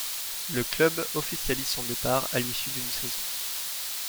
Le club officialise son départ à l'issue d'une saison.